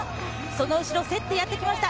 その後、競ってやってきました。